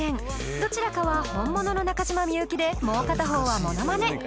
どちらかは本物の中島みゆきでもう片方はモノマネ